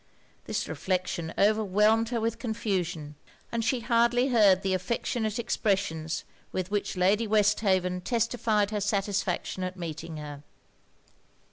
This reflection overwhelmed her with confusion, and she hardly heard the affectionate expressions with which Lady Westhaven testified her satisfaction at meeting her.